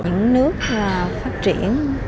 những nước phát triển